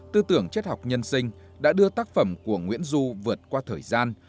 tư tưởng chất học nhân sinh đã đưa tác phẩm của nguyễn du vượt qua thời gian